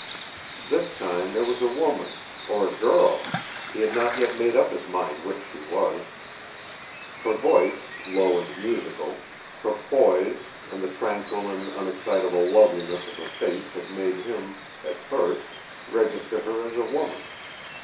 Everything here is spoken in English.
This time it was a woman or a girl! He had not yet made up his mind which she was. Her voice, low and musical, her poise, and the tranquil and unexcitable loveliness of her face had made him, at first, register her as a woman.